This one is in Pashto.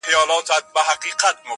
زندان سو انسانانو ته دنیا په کرنتین کي،